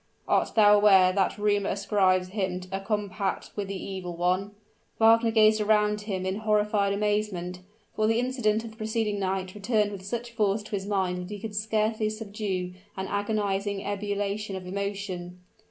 "Art thou aware that rumor ascribes to him a compact with the Evil One?" Wagner gazed around him in horrified amazement, for the incident of the preceding night returned with such force to his mind that he could scarcely subdue an agonizing ebullition of emotion.